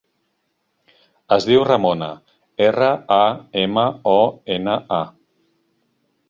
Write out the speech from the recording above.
Es diu Ramona: erra, a, ema, o, ena, a.